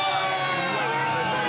何これ。